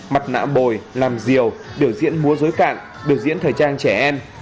mặt nạ bồi làm rìu biểu diễn múa dối cạn biểu diễn thời trang trẻ em